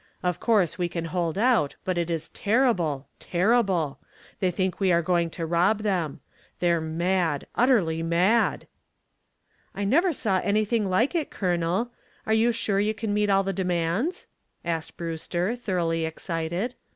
Of course we can hold out, but it is terrible terrible. They think we are trying to rob them. They're mad utterly mad." "I never saw anything like it, Colonel. Are you sure you can meet all the demands?" asked Brewster, thoroughly excited.